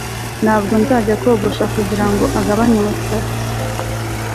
ntabwo nzajya kogosha kugirango agabanye umusatsi